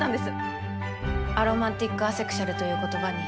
アロマンティック・アセクシュアルという言葉に。